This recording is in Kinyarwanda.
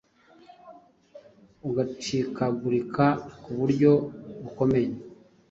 ugacikagurika ku buryo bukomeye